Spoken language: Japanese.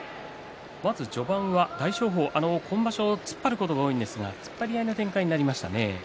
序盤は大翔鵬今場所は突っ張ることが多いんですが突っ張り合いの展開になりましたね。